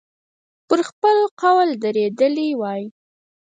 پر خپل قول درېدلی وای.